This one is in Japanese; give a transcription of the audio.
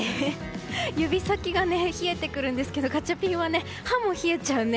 指先が冷えてくるんですけどガチャピンは歯も冷えちゃうね。